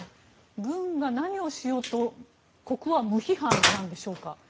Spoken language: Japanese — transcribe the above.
軍が何をしようと国王は無批判なんでしょうか。